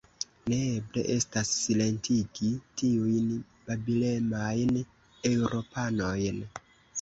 Neeble estas, silentigi tiujn babilemajn Eŭropanojn!